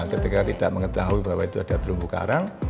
ketika tidak mengetahui bahwa itu ada terumbu karang